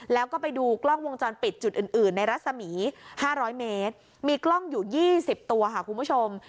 แล้วก็ไปดูกล้องวงจรปิดจุดอื่นในรัศมี๕๐๐เมตรมีกล้องอยู่๒๐ตัวค่ะคุณผู้ชม